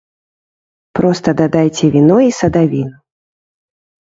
Проста дадайце віно і садавіну.